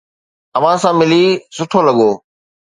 اوھان سان ملي سٺو لڳو